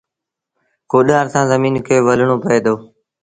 ڪوڏآر سآݩ زميݩ کي ولڻون پئي دو